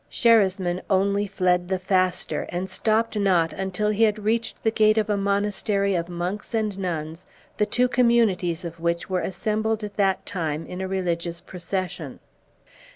Sherasmin only fled the faster, and stopped not until he had reached the gate of a monastery of monks and nuns, the two communities of which were assembled at that time in a religious procession.